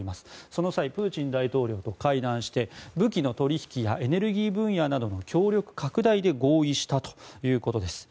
その際、プーチン大統領と会談して武器の取引やエネルギー分野などの協力拡大で合意したということです。